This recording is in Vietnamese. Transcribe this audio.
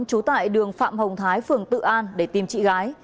trú tại đường phạm hồng thái phường tự an để tìm chị gái